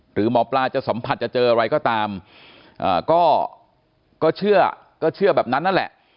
หรือหมอปลาจะสัมผัสจะเจออะไรก็ตามก็เชื่อก็เชื่อแบบนั้นนั่นแหละ